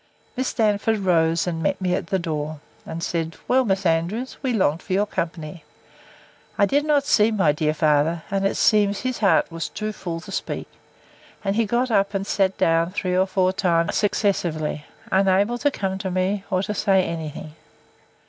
Miss Darnford rose, and met me at the door, and said, Well, Miss Andrews, we longed for your company. I did not see my dear father; and it seems his heart was too full to speak; and he got up, and sat down three or four times successively, unable to come to me, or to say any thing.